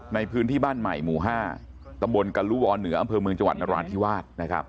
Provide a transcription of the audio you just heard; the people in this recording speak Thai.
ในพื้นที่บ้านใหม่หมู่๕ตำบลกะลุวรเหนืออำเภอเมืองจังหวัดนราธิวาส